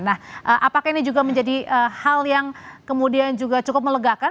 nah apakah ini juga menjadi hal yang kemudian juga cukup melegakan